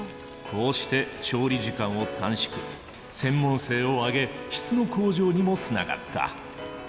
こうして調理時間を短縮専門性を上げ質の向上にもつながった。